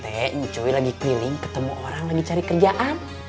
tadi teh cuy lagi keliling ketemu orang lagi cari kerjaan